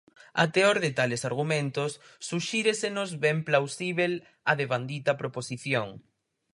A teor de tales argumentos, suxíresenos ben plausíbel a devandita proposición.